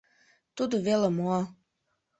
Тудо веле мо!